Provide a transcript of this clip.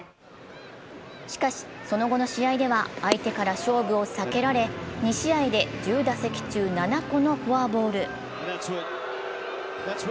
しかし、その後の試合では相手から勝負を避けられ２試合で１０打席中７個のフォアボール。